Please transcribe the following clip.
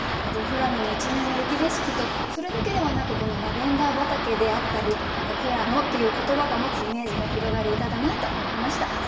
あと富良野の一面の雪景色とそれだけではなくラベンダー畑であったり何か「富良野」っていう言葉が持つイメージが広がる歌だなと思いました。